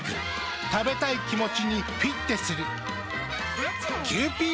食べたい気持ちにフィッテする。